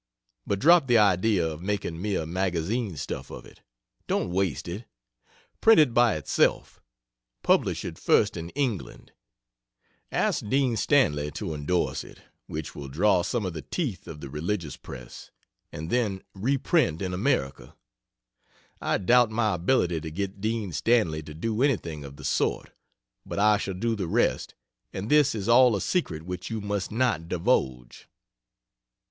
But drop the idea of making mere magazine stuff of it. Don't waste it. Print it by itself publish it first in England ask Dean Stanley to endorse it, which will draw some of the teeth of the religious press, and then reprint in America." I doubt my ability to get Dean Stanley to do anything of the sort, but I shall do the rest and this is all a secret which you must not divulge.